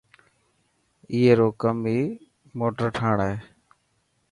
اي رو ڪم ئي موٽر ٺاهڻ هي.